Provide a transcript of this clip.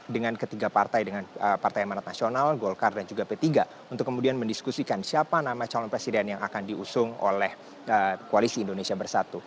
dengan ketiga partai dengan partai emanat nasional golkar dan juga p tiga untuk kemudian mendiskusikan siapa nama calon presiden yang akan diusung oleh koalisi indonesia bersatu